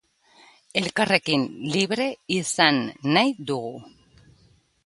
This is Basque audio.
Elkarrekin libre izan nahi dugu.